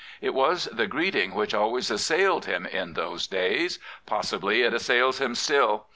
It was the greeting which always assailed him in those days. Possibly it assails him still.